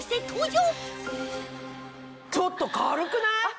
ちょっと軽くない？